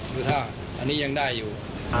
คือถ้าอันนี้ยังได้อยู่